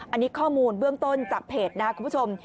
อันนี้ข้อมูลเบื้องต้นจากเพจนะครับคุณผู้ชม